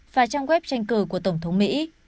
và trang web tranh cử của tổng thống mỹ